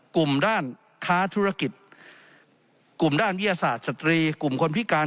กลุ่มด้านค้าธุรกิจกลุ่มด้านวิทยาศาสตร์สตรีกลุ่มคนพิการ